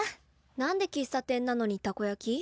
なんで喫茶店なのにたこ焼き？